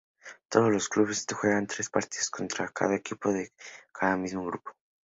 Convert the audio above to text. Todos los clubes juegan tres partidos contra cada equipo de su mismo grupo.